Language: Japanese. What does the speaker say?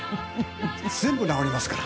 全部治りますから。